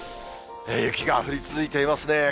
雪が降り続いていますね。